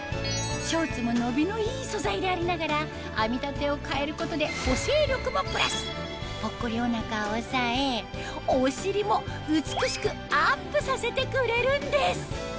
ショーツも伸びのいい素材でありながら編み立てを変えることでぽっこりお腹をおさえお尻も美しくアップさせてくれるんです